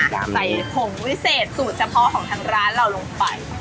ใส่ผงวิเศษสูตรเฉพาะของทางร้านเราลงไป